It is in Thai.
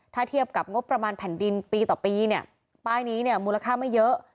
ถ้าเทียบกับงบประมาณแผ่นดินปีต่อปีเนี่ยป้ายนี้เนี่ยมูลค่าไม่เยอะ